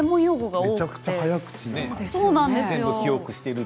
めちゃくちゃ早口ですね。